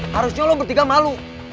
harusnya lu yang bertiga malu